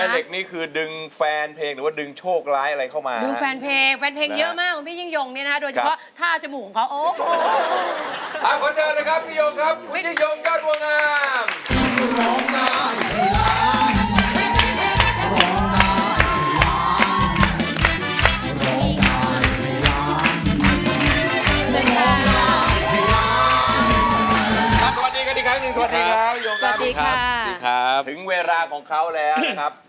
สวัสดีค่ะสวัสดีครับถึงเวลาของเขาแล้วนะครับครับนี่ครับ